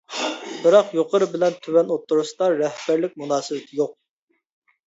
بىراق يۇقىرى بىلەن تۆۋەن ئوتتۇرىسىدا رەھبەرلىك مۇناسىۋىتى يوق.